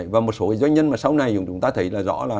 và một số doanh nhân mà sau này chúng ta thấy là rõ là